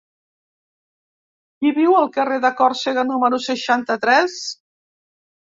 Qui viu al carrer de Còrsega número seixanta-tres?